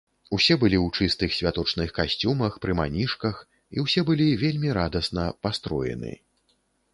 Усе былі ў чыстых святочных касцюмах, пры манішках, і ўсе былі вельмі радасна пастроены.